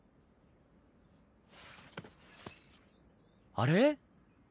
あれ？